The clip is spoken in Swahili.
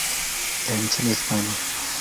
ya nchini Hispania.